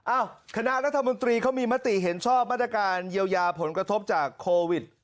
คณะรัฐมนตรีเขามีมติเห็นชอบมาตรการเยียวยาผลกระทบจากโควิด